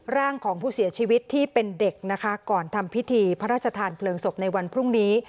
ร่างของผู้เสียชีวิตที่เป็นเด็กนะคะก่อนทำพิธีพระราชทานเพลิงศพในวันพรุ่งนี้